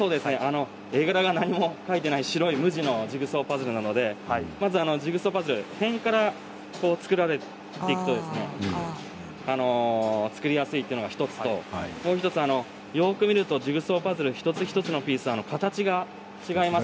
絵柄が何も描いていない無地のジグソーパズルですのでまずジグソーパズル辺から作られていくと作りやすいのとよく見るとジグソーパズル一つ一つのピース、形が違います。